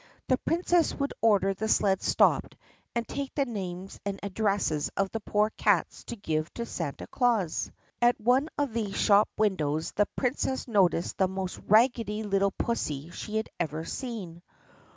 The Prin cess would order the sled stopped and take the names and ad dresses of the poor cats to give to Santa Claus. At one of these shop windows the Princess noticed the most raggedy little pussy she had even seen.